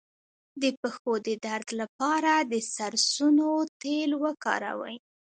د پښو د درد لپاره د سرسونو تېل وکاروئ